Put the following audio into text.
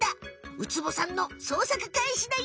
ウツボさんのそうさくかいしだよ！